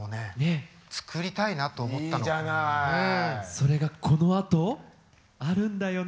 それがこのあとあるんだよね？